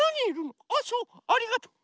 あそうありがとう。